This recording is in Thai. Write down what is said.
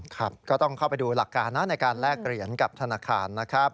ครับก็ต้องเข้าไปดูหลักการนะในการแลกเหรียญกับธนาคารนะครับ